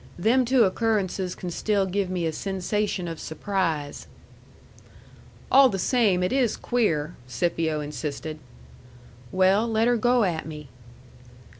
Them two occurrences can still give me a sensation of surprise." "All the same it is queer," Scipio insisted "Well, let her go at me."